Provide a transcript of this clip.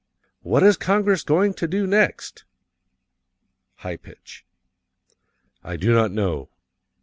"What is Congress going to do next? (High pitch) ||| I do not know."